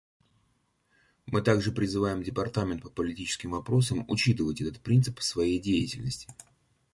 Мы также призываем Департамент по политическим вопросам учитывать этот принцип в своей деятельности.